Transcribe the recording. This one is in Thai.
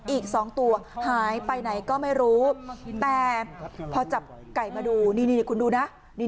อีก๒ตัวหายไปไหนก็ไม่รู้แต่พอจับไก่มาดูนี่คุณดูนะ